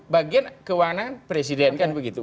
bagian kewenangan presiden kan begitu